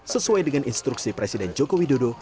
sesuai dengan instruksi presiden joko widodo